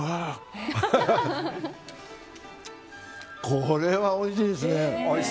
これはおいしいですね。